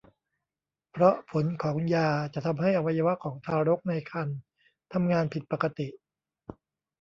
เพราะผลของยาจะทำให้อวัยวะของทารกในครรภ์ทำงานผิดปกติ